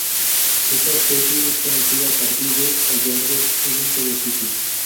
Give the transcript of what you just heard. Esta especie es conocida a partir de hallazgos en un solo sitio.